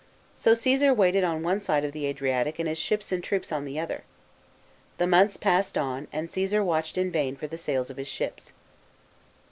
So Caesar waited on one side of the Adriatic and his ships and troops on the other. The months passed on and Caesar watched in vain for the sails of his ships.